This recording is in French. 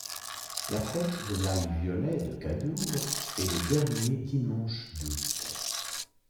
La fête de l'ail violet de Cadours est le dernier dimanche d'août.